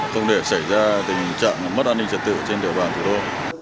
không để xảy ra tình trạng mất an ninh trật tự trên địa bàn thủ đô